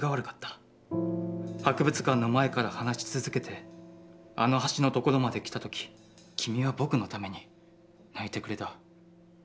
博物館の前から話しつづけて、あの橋の所まで来た時、君は僕のために泣いてくれた。